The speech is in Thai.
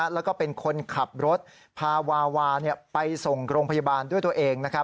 แล้วก็เป็นคนขับรถพาวาวาไปส่งโรงพยาบาลด้วยตัวเอง